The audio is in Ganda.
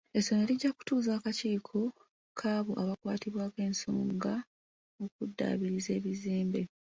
Essomera lijja kutuuza akakiiko k'aba kwatibwako ensonga okuddaabiriza ebizimbe.